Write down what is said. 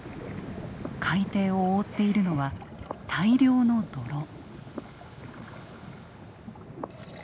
海底を覆っているのは大量の泥。